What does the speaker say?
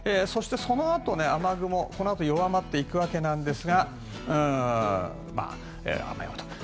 そしてそのあと、雨雲このあと弱まっていくわけなんですが雨と。